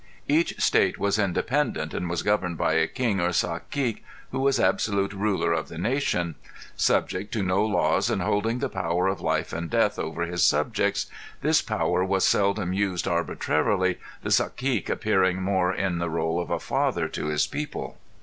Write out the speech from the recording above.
Each state was independent and was governed by a king or cacique who was absolute ruler of the nation: subject to no laws and holding the power of life and death over his subjects, this power was seldom used arbitrarily, the cacique appearing more in the role of a father to his people.